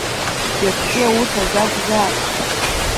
Иацтәи аус азакәзаап.